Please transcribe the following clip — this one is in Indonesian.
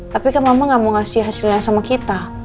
tapi kan mama gak mau ngasih hasilnya sama kita